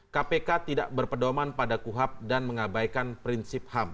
kpk tidak berpedoman pada kuhap dan mengabaikan prinsip ham